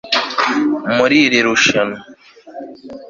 muri iri rushanwa